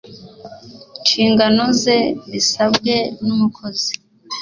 nshingano ze bisabwe n umukozi